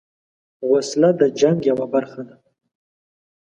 وسله د جنګ یوه برخه ده